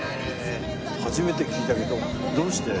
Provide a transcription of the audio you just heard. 初めて聞いたけどどうして？